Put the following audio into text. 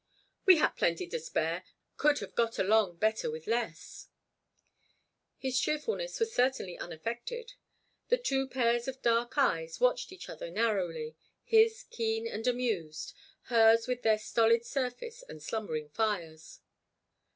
"We had plenty to spare—could have got along better with less." His cheerfulness was certainly unaffected. The two pairs of dark eyes watched each other narrowly, his keen and amused, hers with their stolid surface and slumbering fires.